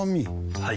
はい。